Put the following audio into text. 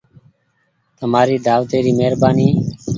تمآري دآوتي ري مهربآني ۔